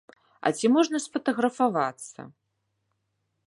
А ці можна сфатаграфавацца?